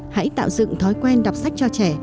hãy tạo dựng thói quen đọc sách cho trẻ